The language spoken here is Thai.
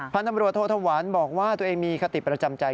พันธมรวตโทษธวรรณบอกว่าตัวเองมีคติประจำใจ